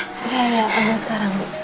iya iya ambil sekarang bu